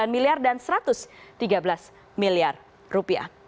satu ratus empat puluh sembilan miliar dan satu ratus tiga belas miliar rupiah